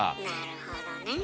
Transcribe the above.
なるほどね。